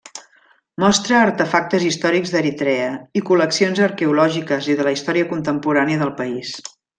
Mostra artefactes històrics d'Eritrea, i col·leccions arqueològiques i de la història contemporània del país.